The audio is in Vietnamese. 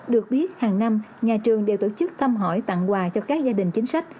được biết hàng năm nhà trường đều tổ chức thăm hỏi tặng quà cho các gia đình chính sách